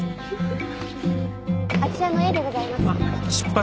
あちらのＡでございます。